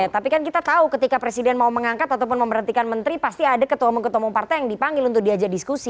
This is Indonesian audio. tapi kan kita tahu ketika presiden mau mengangkat ataupun memberhentikan menteri pasti ada ketua umum ketua umum partai yang dipanggil untuk diajak diskusi